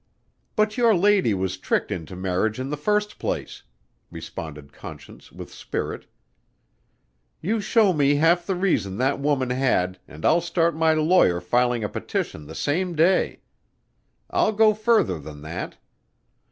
"But your lady was tricked into marriage in the first place," responded Conscience with spirit. "You show me half the reason that woman had and I'll start my lawyer filing a petition the same day. I'll go further than that."